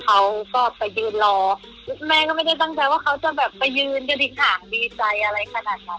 เขาก็ไปยืนรอแม่ก็ไม่ได้ตั้งใจว่าเขาจะแบบไปยืนกันอีกห่างดีใจอะไรขนาดนั้น